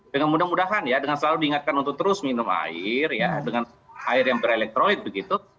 dengan mudah mudahan ya dengan selalu diingatkan untuk terus minum air ya dengan air yang berelektroit begitu